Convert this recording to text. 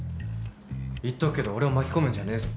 言っとくけど俺を巻き込むんじゃねえぞ。